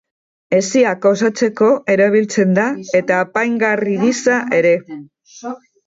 Hesiak osatzeko erabiltzen da eta apaingarri gisa ere.